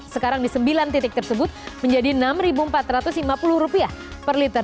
sekarang di sembilan titik tersebut menjadi rp enam empat ratus lima puluh per liter